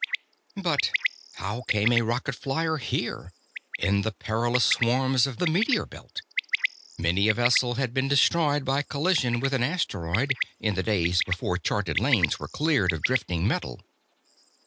But how came a rocket flier here, in the perilous swarms of the meteor belt? Many a vessel had been destroyed by collision with an asteroid, in the days before charted lanes were cleared of drifting metal.